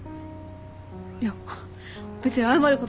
いや別に謝ることないよ。